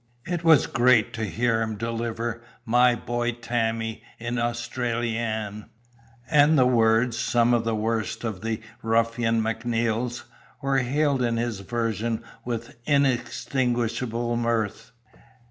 It was great to hear him deliver My Boy Tammie in Austrylian; and the words (some of the worst of the ruffian Macneil's) were hailed in his version with inextinguishable mirth.